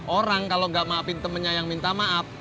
orang kalo gak maafin temennya yang minta maaf